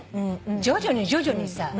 徐々に徐々にさ。